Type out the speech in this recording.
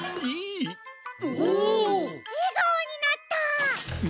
えがおになった！